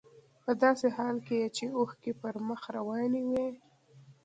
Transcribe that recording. په داسې حال کې چې اوښکې يې پر مخ روانې وې.